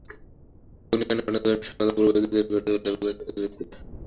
অগ্নিকাণ্ডের ঘটনা জমিসংক্রান্ত পূর্ববিরোধের জের ধরে ঘটেছে বলে দাবি করছেন ক্ষতিগ্রস্ত ব্যক্তিরা।